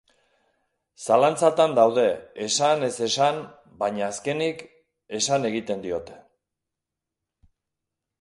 Zalantzatan daude, esan-ez-esan, baina azkenik, esan egiten diote.